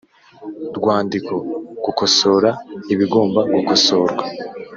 rwandiko gukosora ibigomba gukosorwa